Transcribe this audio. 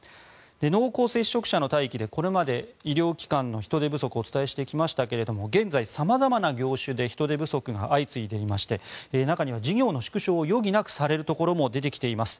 濃厚接触者の待機でこれまで医療機関の人手不足をお伝えしてきましたけれど現在、様々な業種で人手不足が相次いでいまして中には事業の縮小を余儀なくされるところも出てきています。